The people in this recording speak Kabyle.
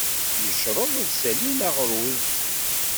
Yecreḍ ad s-salin aɣrud.